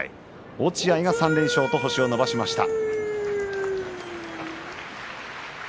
落合は３連勝と星を伸ばしました。